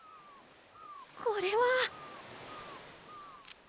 これは。